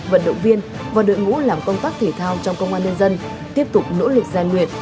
vận động viên và đội ngũ làm công tác thể thao trong công an nhân dân tiếp tục nỗ lực gian luyện